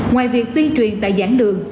ngoài việc tuyên truyền tại giảng đường